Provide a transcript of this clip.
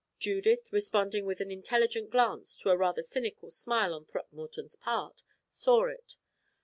Judith, responding with an intelligent glance to a rather cynical smile on Throckmorton's part, saw it.